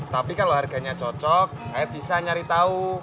tapi kalau harganya cocok saya bisa nyari tahu